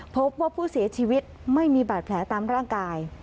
พบว่าผู้เสียชีวิตไม่มีบาดแผลตามร่างกาย